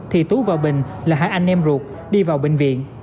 thì tú và bình là hai anh em ruột đi vào bệnh viện